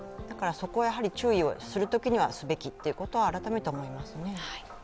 だから、そこは注意をするときにはすべきということは改めて思いますね。